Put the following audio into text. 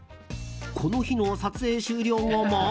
この日の撮影終了後も。